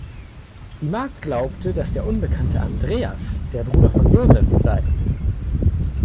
Die Magd glaubte, dass der Unbekannte Andreas, der Bruder von Josef, sei.